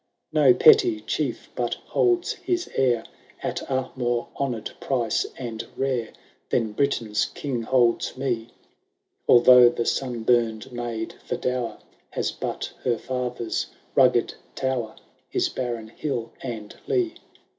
49 No petty chief, but holds his heir At a more honour*d price and rare Than Britain^s King holds me ! Although the sun bumM maid, for dower, ' Has but her fstther^ rugged tower. His barren hill and lee.